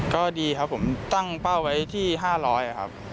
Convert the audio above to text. ก็ดีครับผมตั้งเป้าไว้ที่๕๐๐ครับ